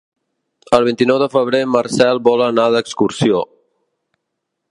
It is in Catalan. El vint-i-nou de febrer en Marcel vol anar d'excursió.